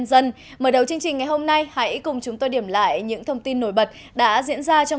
xin chào và hẹn gặp lại trong các bản tin tiếp theo